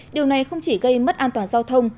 điều này không chỉ gây mất an toàn giao thông